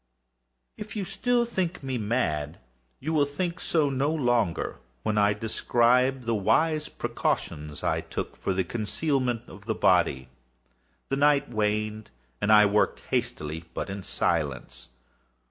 If still you think me mad, you will think so no longer when I describe the wise precautions I took for the concealment of the body. The night waned, and I worked hastily, but in silence.